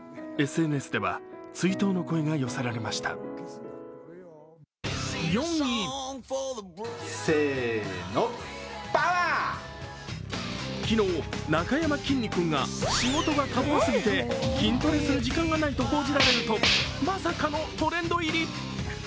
ＳＮＳでは追悼の声が寄せられました昨日、なかやまきんに君が仕事が多忙すぎて筋トレする時間がないと報じられるとまさかのトレンド入り。